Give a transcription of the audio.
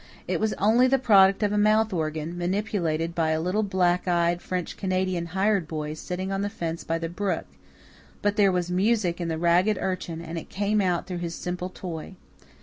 It was only the product of a mouth organ, manipulated by a little black eyed, French Canadian hired boy, sitting on the fence by the brook; but there was music in the ragged urchin and it came out through his simple toy.